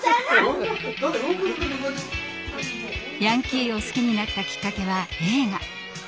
ヤンキーを好きになったきっかけは映画。